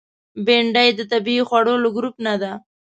بېنډۍ د طبیعي خوړو له ګروپ نه ده